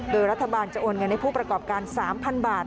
โดยรัฐบาลจะโอนเงินให้ผู้ประกอบการ๓๐๐๐บาท